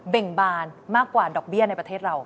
่งบานมากกว่าดอกเบี้ยในประเทศเรา